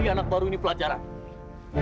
ini anak baru ini pelajaran